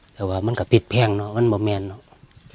แต่ว่ามันก็ผิดแพงเนอะมันบอร์แมนเนอะ